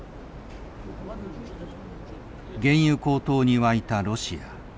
原油高騰に沸いたロシア。